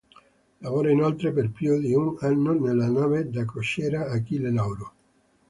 Lavora inoltre per più di un anno nella nave da crociera Achille Lauro.